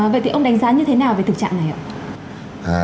vậy thì ông đánh giá như thế nào về thực trạng này ạ